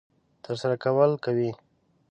ترسره کول کوي.